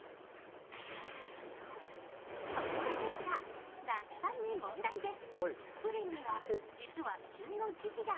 突然ですが那須さんに問題です。